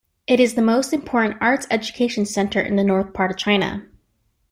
It is the most important arts education center in the north part of China.